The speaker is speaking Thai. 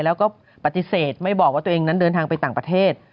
แล้วก็ปฏิเสธไม่บอกว่าตัวเองนั้นเดินทางไปต่างประเทศ